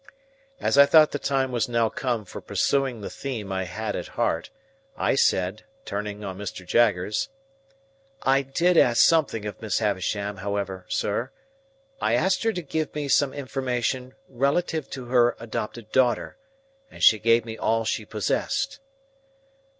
As I thought the time was now come for pursuing the theme I had at heart, I said, turning on Mr. Jaggers:— "I did ask something of Miss Havisham, however, sir. I asked her to give me some information relative to her adopted daughter, and she gave me all she possessed."